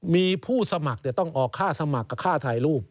มีผู้สมัครต้องออกค่าสมัครกับค่าถ่ายรูป